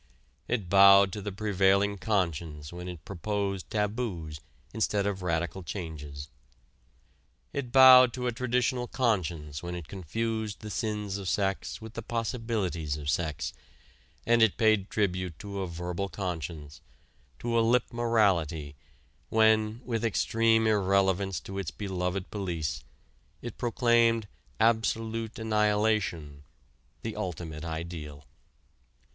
It bowed to the prevailing conscience when it proposed taboos instead of radical changes. It bowed to a traditional conscience when it confused the sins of sex with the possibilities of sex; and it paid tribute to a verbal conscience, to a lip morality, when, with extreme irrelevance to its beloved police, it proclaimed "absolute annihilation" the ultimate ideal.